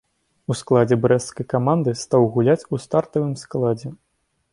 У складзе брэсцкай каманды стаў гуляць у стартавым складзе.